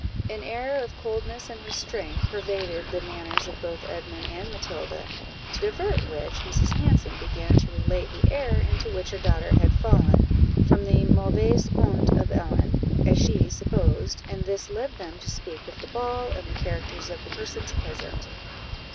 An air of coldness and restraint pervaded the manners of both Edmund and Matilda, to divert which, Mrs. Hanson began to relate the error into which her daughter had fallen, from the mauvaise honte of Ellen, as she supposed, and this led them to speak of the ball, and the characters of the persons present.